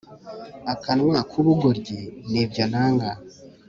akanwa ku bugoryi nibyo nanga